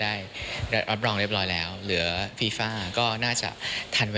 ได้รับเอกสารยืนยันว่าจะเป็น